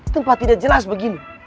tempat tidak jelas begini